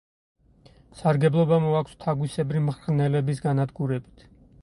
სარგებლობა მოაქვს თაგვისებრი მღრღნელების განადგურებით.